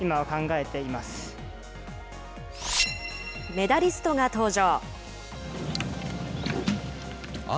メダリストが登場。